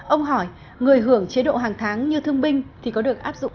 ông hỏi người hưởng chế độ hàng tháng như thương binh thì có được áp dụng